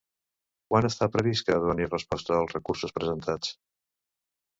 Quan està previst que es doni resposta als recursos presentats?